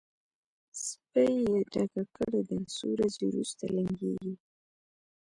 سپۍ یې ډکه کړې ده؛ څو ورځې روسته لنګېږي.